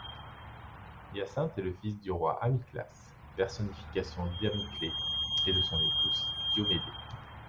Hyacinthe est le fils du roi Amyclas, personnification d'Amyclée, et de son épouse Diomédé.